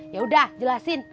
ya udah jelasin